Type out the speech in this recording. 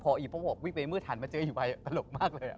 พอพวกมันบอกวิ่งไปมืดทันมันเจออีวัยปลอดภัยมากเลย